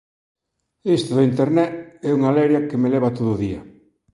Isto da Internet é unha leria que me leva todo o día